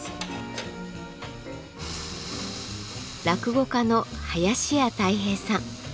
落語家の林家たい平さん。